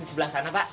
satu sebelah sana pak